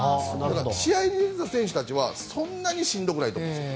試合に出てた選手たちはそんなにしんどくないです。